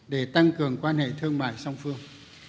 để tăng cường quan hệ thương mại song phương